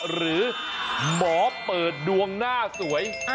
หรือหมอเปิดดวงหน้าสวย